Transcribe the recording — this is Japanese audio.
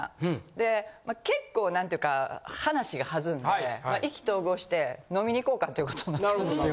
で結構なんていうか話が弾んで意気投合して飲みに行こうかっていうことになったんですよ。